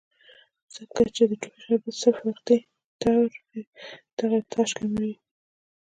ځکه چې د ټوخي شربت صرف وقتي طور دغه ارتعاش کموي